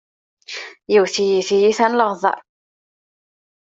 Yewwet-iyi tiyita n leɣder.